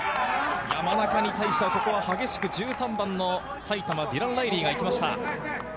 山中に対しては激しく１３番の埼玉、ディラン・ライリーがいきました。